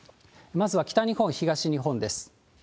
まずは北日本、東日本です。